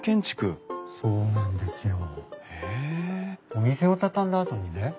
お店を畳んだあとにね